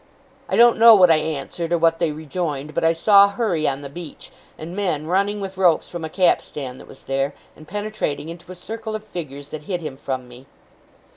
I don't know what I answered, or what they rejoined; but I saw hurry on the beach, and men running with ropes from a capstan that was there, and penetrating into a circle of figures that hid him from me.